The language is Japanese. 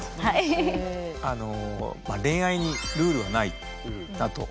恋愛にルールはないなと。